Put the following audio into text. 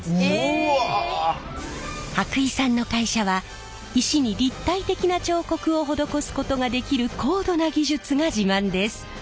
伯井さんの会社は石に立体的な彫刻を施すことができる高度な技術が自慢です。